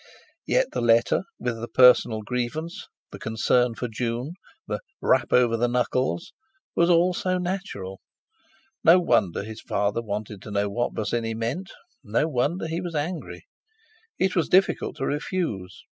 Yet the letter, with the personal grievance, the concern for June, the "rap over the knuckles," was all so natural. No wonder his father wanted to know what Bosinney meant, no wonder he was angry. It was difficult to refuse!